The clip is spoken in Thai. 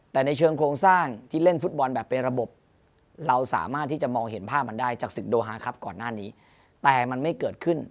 แต่ในเชิงโครงสร้างที่เล่นฟุตบอลแบบเป็นระบบเราสามารถที่จะมองเห็นภาพมันได้จากศิกโดฮาครัพท์ก่อนหน้านี้